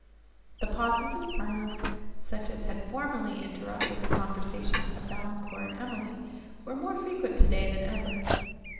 The pauses of silence, such as had formerly interrupted the conversations of Valancourt and Emily, were more frequent today than ever.